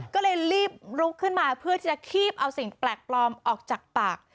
ก็เลยรีบลุกขึ้นมาเพื่อที่จะคีบเอาสิ่งแปลกปลอมออกจากปาก